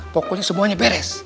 pokoknya semuanya beres